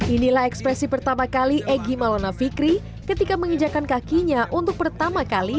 inilah ekspresi pertama kali egy malona fikri ketika menginjakan kakinya untuk pertama kali